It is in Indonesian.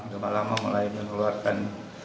gamalama mulai mengeluarkan